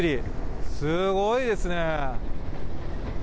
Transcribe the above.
すごいですね。